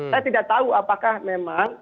saya tidak tahu apakah memang